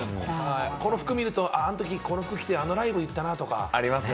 この含めると、あの時、この服着てあのライブ行ったなとか。